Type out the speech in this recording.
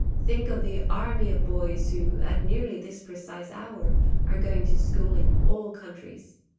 Think of the army of boys who, at nearly this precise hour, are going to school in all countries.